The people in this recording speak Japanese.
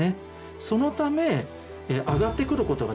そのため上がってくることができません。